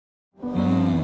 うん。